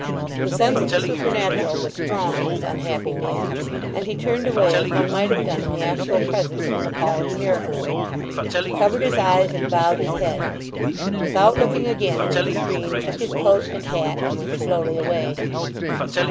The sense of the supernatural was strong in this unhappy man, and he turned away as one might have done in the actual presence of an appalling miracle. He covered his eyes and bowed his head. Without looking again into the stream he took his coat and hat, and went slowly away.